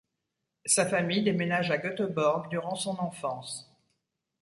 Sa famille déménage à Göteborg durant son enfance.